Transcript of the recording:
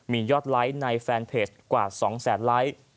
มียอดไลค์ในแฟนเพจกว่า๒แสนไลค์